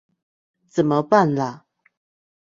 怎麼辦啦